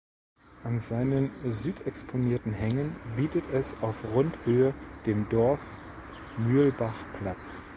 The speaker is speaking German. An seinen südexponierten Hängen bietet es auf rund Höhe dem Dorf Mühlbach Platz.